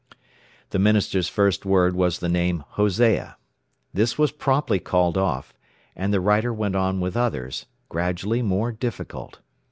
The minister's first word was the name Hosea. This was promptly called off, and the writer went on with others, gradually more difficult.